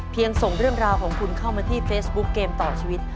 ส่งเรื่องราวของคุณเข้ามาที่เฟซบุ๊กเกมต่อชีวิต